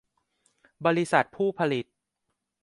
บริษัทผู้ผลิต